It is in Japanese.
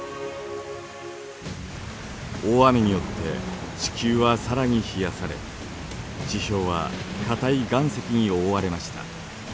大雨によって地球は更に冷やされ地表は硬い岩石におおわれました。